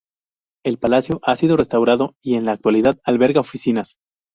El palacio ha sido restaurado y en la actualidad alberga oficinas.